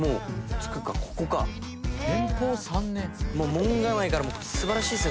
門構えから素晴らしいっす。